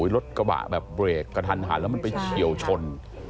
รถกระบะแบบเบรกกระทันหันแล้วมันไปเฉียวชน